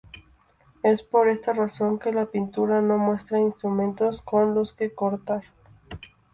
Es por esta razón que la pintura no muestra instrumentos con los que cortar.